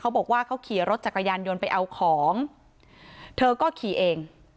บอกว่าเขาขี่รถจักรยานยนต์ไปเอาของเธอก็ขี่เอง